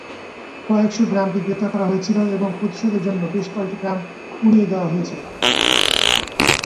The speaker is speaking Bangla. কয়েকশ গ্রামকে গ্রেপ্তার করা হয়েছিল এবং প্রতিশোধের জন্য বেশ কয়েকটি গ্রাম পুড়িয়ে দেওয়া হয়েছিল।